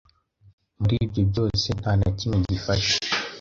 Muri ibyo byose nta na kimwe gifasha